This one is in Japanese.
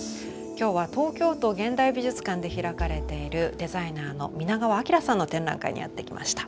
今日は東京都現代美術館で開かれているデザイナーの皆川明さんの展覧会にやって来ました。